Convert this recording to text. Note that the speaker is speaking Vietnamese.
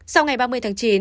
sau ngày ba mươi tháng chín